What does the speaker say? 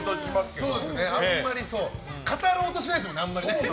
あんまり語ろうとしないですもんね